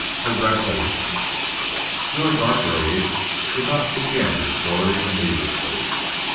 CHAPTER V A REVELATION JOY GARGRAVE did not begin her story immediately.